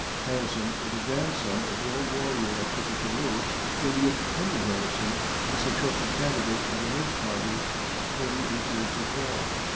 Harrison was a grandson of the old warrior of Tippecanoe, William Henry Harrison, the successful candidate of the Whig party forty eight years before.